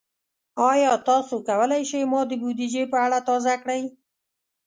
ایا تاسو کولی شئ ما د بودیجې په اړه تازه کړئ؟